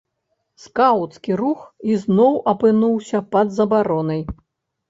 Скаўцкі рух ізноў апынуўся пад забаронай.